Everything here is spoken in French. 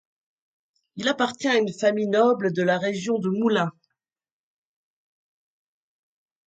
Il appartient à une famille noble de la région de Moulins.